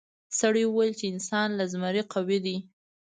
سړي وویل چې انسان له زمري قوي دی.